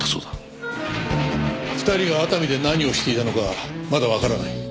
２人が熱海で何をしていたのかまだわからない。